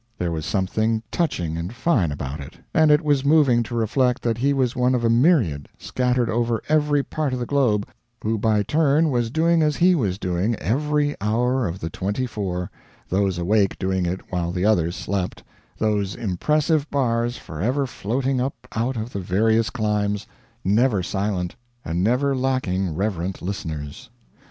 There was something touching and fine about it, and it was moving to reflect that he was one of a myriad, scattered over every part of the globe, who by turn was doing as he was doing every hour of the twenty four those awake doing it while the others slept those impressive bars forever floating up out of the various climes, never silent and never lacking reverent listeners.